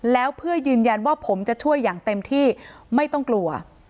แล้วเพื่อยืนยันว่าผมจะช่วยอย่างเต็มที่ไม่ต้องกลัว